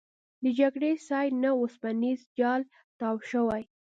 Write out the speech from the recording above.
د جګړې سایټ نه اوسپنیز جال تاو شوی.